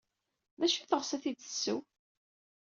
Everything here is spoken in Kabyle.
D acu ay teɣs ad t-id-tesseww?